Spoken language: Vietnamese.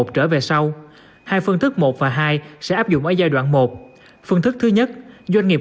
trở về sau hai phương thức một và hai sẽ áp dụng ở giai đoạn một phương thức thứ nhất doanh nghiệp